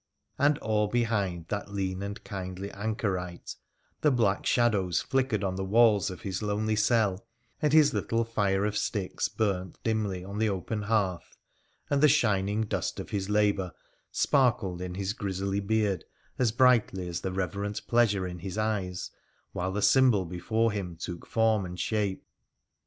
And all behind that lean and kindly anchorite the black shadows flickered on the walls of his lonely cell, and his little fire of sticks burnt dimly on the open hearth, and the shining PHRA THE PHCENICTAN 6$ dust of his labour sparkled in his grizzly beard as brightly as the reverent pleasure in his eyes while the symbol before him took form and shape.